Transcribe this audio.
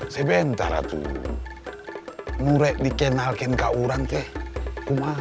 sebentar lah tuh